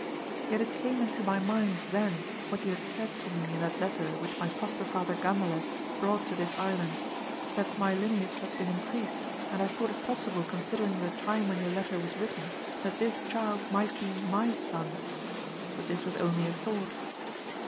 Yet it came into my mind then what you had said to me in that letter which my foster father Gandales brought to this island, that my line age had been increased, and I thought it possible con sidering the time when your letter was written, that this child might be my son, but this was only a thought.